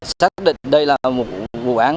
xác định đây là một vụ án